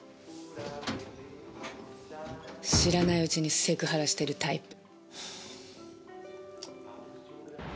知らないうちにセクハラしてるタイプ。